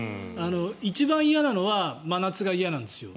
一番嫌なのは真夏が嫌なんですよ。